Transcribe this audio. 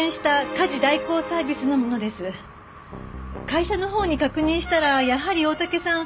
会社のほうに確認したらやはり大竹さん